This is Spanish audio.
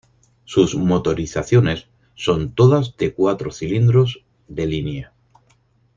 Sus motorizaciones son todas de cuatro cilindros de línea.